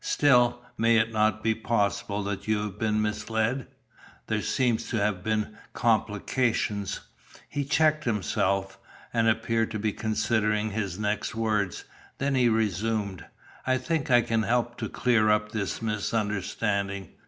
Still, may it not be possible that you have been misled? There seem to have been complications." He checked himself, and appeared to be considering his next words, then he resumed "I think I can help to clear up this misunderstanding.